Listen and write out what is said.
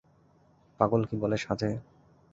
পাগল কী বলে সাধে।